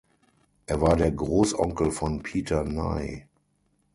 Er war der Großonkel von Peter Nye.